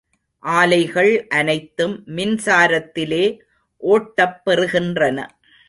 ஆலைகள் அனைத்தும் மின்சாரத்திலே ஓட்டப் பெறுகின்றன.